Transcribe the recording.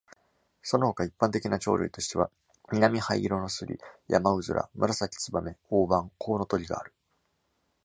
その他一般的な鳥類としては、ミナミハイイロノスリ、ヤマウズラ、ムラサキツバメ、オオバン、コウノトリがある。